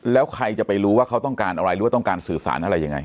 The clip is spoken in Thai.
แล้วใครจะไปรู้ว่าเขาต้องการอะไรหรือว่าต้องการสื่อสารอะไรยังไง